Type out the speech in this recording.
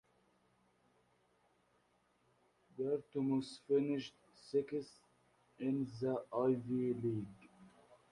Dartmouth finished sixth in the Ivy League.